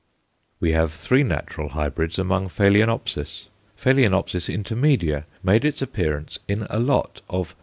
We have three natural hybrids among Phaloenopsis. Ph. intermedia made its appearance in a lot of _Ph.